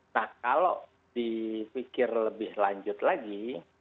nah kalau dipikir lebih lanjut lagi